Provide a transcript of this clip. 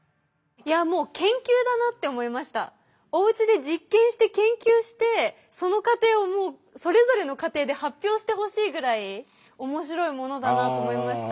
おうちで実験して研究してその過程をそれぞれの家庭で発表してほしいぐらい面白いものだなと思いました。